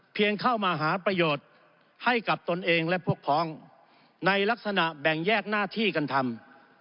เข้ามาหาประโยชน์ให้กับตนเองและพวกพ้องในลักษณะแบ่งแยกหน้าที่กันทำ